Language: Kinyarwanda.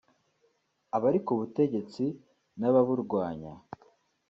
abari ku butegetsi n’ababurwanya